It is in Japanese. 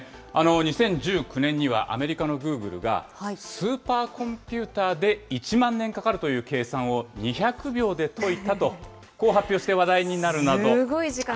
２０１９年にはアメリカのグーグルが、スーパーコンピューターで１万年かかるという計算を２００秒で解いたとこう発表して話題になるなど。